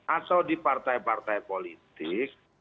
atau di partai partai politik